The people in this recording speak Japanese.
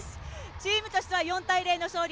チームとしては４対０の勝利。